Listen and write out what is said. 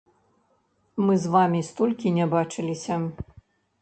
Мы з вамі столькі не бачыліся!